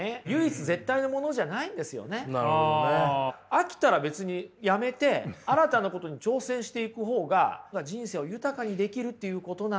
飽きたら別にやめて新たなことに挑戦していく方が人生を豊かにできるっていうことなんですよ。